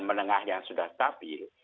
menengah yang sudah stabil